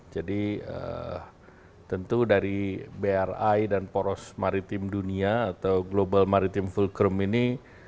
jadi tentu dari bri dan poros maritim dunia atau global maritim fulcrum ini